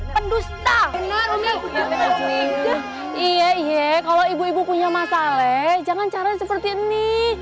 pindah pendusta iya iya kalau ibu ibu punya masalah jangan caranya seperti ini